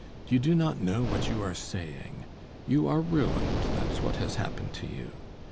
You do not know what you are saying. You are ruined, that's what has happened to you.